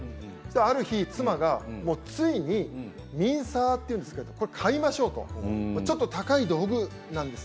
ある日、妻がついにミンサーというんですがこれを買いましょうとちょっと高い道具なんです。